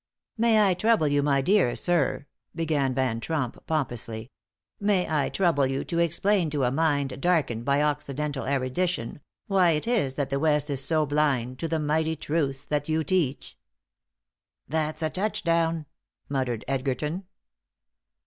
"May I trouble you, my dear sir," began Van Tromp, pompously "may I trouble you to explain to a mind darkened by Occidental erudition why it is that the West is so blind to the mighty truths that you teach?" "That's a touchdown," muttered Edgerton.